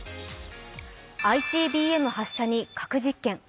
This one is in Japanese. ＩＣＢＭ発射に核実験